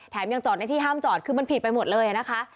ยังจอดในที่ห้ามจอดคือมันผิดไปหมดเลยนะคะ